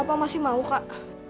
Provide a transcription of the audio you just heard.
apa masih mau kak